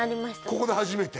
ここで初めて？